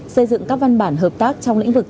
xây dựng các văn bản hợp tác trong lĩnh vực